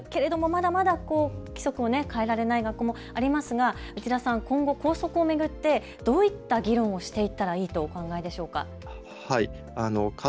まだまだ規則を変えられない学校もありますが今後、校則を巡ってどういった議論をしていったらいいとお考えでしょうか。